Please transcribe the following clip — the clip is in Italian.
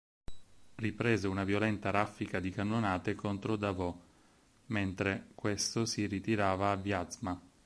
Riprese una violenta raffica di cannonate contro Davout, mentre questo si ritirava a Vjaz'ma.